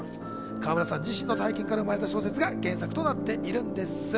川村さん自身の体験から生まれた小説が原作となっているんです。